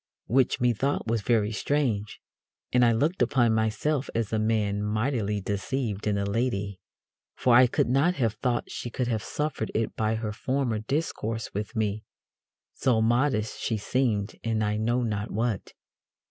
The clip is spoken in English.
Which methought was very strange, and I looked upon myself as a man mightily deceived in a lady, for I could not have thought she could have suffered it by her former discourse with me; so modest she seemed and I know not what.